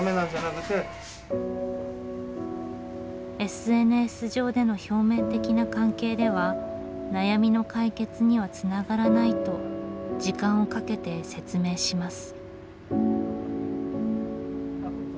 ＳＮＳ上での表面的な関係では悩みの解決にはつながらないと時間をかけて説明します。